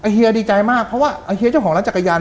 เฮียดีใจมากเพราะว่าเฮียเจ้าของร้านจักรยาน